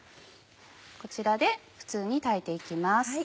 こちらで普通に炊いて行きます。